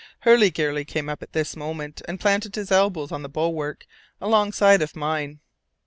Hurliguerly came up at this moment and planted his elbows on the bulwark, alongside of mine.